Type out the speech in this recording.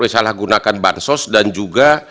salah gunakan bansos dan juga